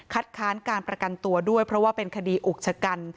ค้านการประกันตัวด้วยเพราะว่าเป็นคดีอุกชะกัน